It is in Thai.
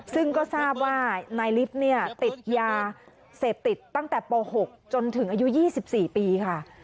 ซึ่งก็ทราบว่าในลิฟต์เนี่ยติดยาเสพติดตั้งแต่โปรหกจนถึงอายุยี่สิบสี่ปีค่ะ